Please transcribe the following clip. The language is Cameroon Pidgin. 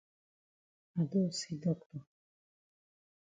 I don see doctor.